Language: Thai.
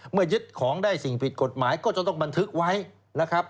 ยึดของได้สิ่งผิดกฎหมายก็จะต้องบันทึกไว้นะครับ